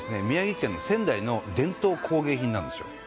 宮城県の仙台の伝統工芸品なんですよ。